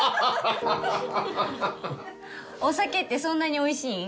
はっお酒ってそんなにおいしいん？